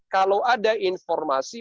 kalau ada informasi